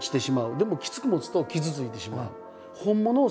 でもきつく持つと傷ついてしまう。